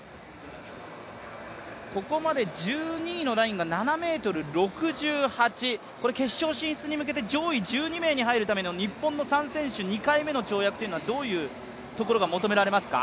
ここまで１２位のラインが７ｍ６８、これは決勝進出に向けて上位１２名に入るため日本の３選手、２回目の跳躍はどういうところが求められますか？